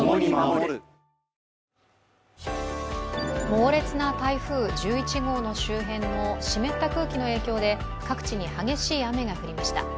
猛烈な台風１１号の周辺の湿った空気の影響で各地に激しい雨が降りました。